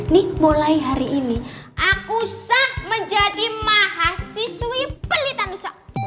nih mulai hari ini aku sah menjadi mahasiswi pelitan duk